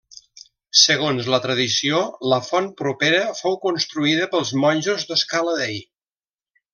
Segons la tradició, la font propera fou construïda pels monjos d'Escala Dei.